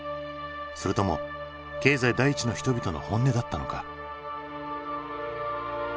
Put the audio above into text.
それとも経済第一の人々の本音だったのか？